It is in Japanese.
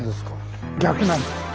逆なんです。